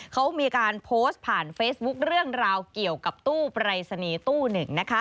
เขามีการโพสต์ผ่านเฟซบุ๊คเรื่องราวเกี่ยวกับตู้ปรายศนีย์ตู้หนึ่งนะคะ